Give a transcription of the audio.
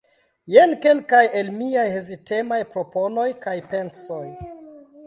Jen kelkaj el miaj hezitemaj proponoj kaj pensoj.